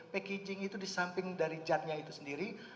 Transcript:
packaging itu disamping dari jatnya itu sendiri